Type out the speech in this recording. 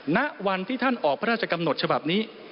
ณวันที่ท่านออกพระราชกำหนดฉบับนี้